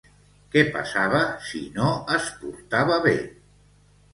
Què passava si no es portava bé?